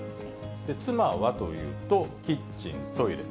妻はというと、キッチン、トイレ。